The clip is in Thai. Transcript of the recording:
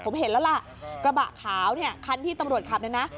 ผมเห็นแล้วล่ะกระบะขาวเนี่ยคันที่ตำรวจขับเนี่ยนะ